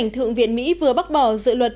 thượng viện mỹ vừa bác bỏ dự luật